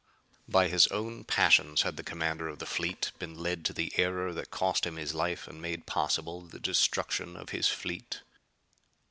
By his own passions had the commander of the fleet been led to the error that cost him his life and made possible the destruction of his fleet.